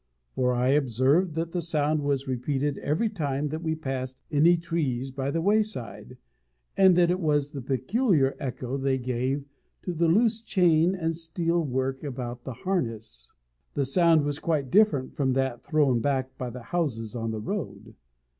For I observed that the sound was repeated every time that we passed any trees by the wayside, and that it was the peculiar echo they gave of the loose chain and steel work about the harness. The sound was quite different from that thrown back by the houses on the road.